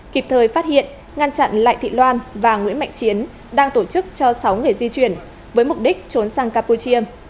kịp thời phát hiện ngăn chặn lại thị loan và nguyễn mạnh chiến đang tổ chức cho sáu người di chuyển với mục đích trốn sang campuchia